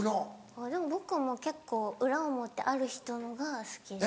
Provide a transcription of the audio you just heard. あっでも僕も結構裏表ある人のが好きです。